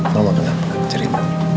mama kenapa cerita